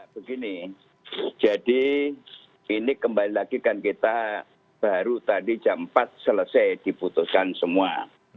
begini jadi ini kembali lagi kan kita baru tadi jam empat selesai diputuskan semua